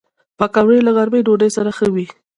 پکورې له غرمې ډوډۍ سره ښه وي